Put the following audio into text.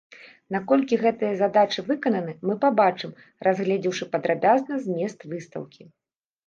Наколькі гэтыя задачы выкананы, мы пабачым, разгледзеўшы падрабязна змест выстаўкі.